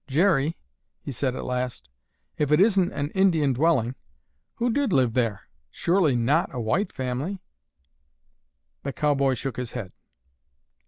"Jerry," he said at last, "if it isn't an Indian dwelling, who did live there? Surely not a white family!" The cowboy shook his head.